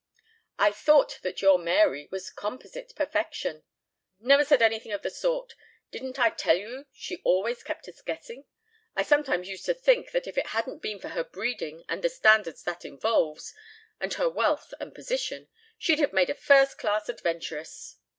"I thought that your Mary was composite perfection." "Never said anything of the sort. Didn't I tell you she always kept us guessing? I sometimes used to think that if it hadn't been for her breeding and the standards that involves, and her wealth and position, she'd have made a first class adventuress."